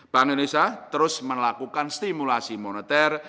bank indonesia terus melakukan stimulasi moneter